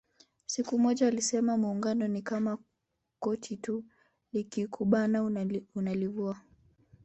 Siku moja alisema Muungano ni kama koti tu likikubana unalivua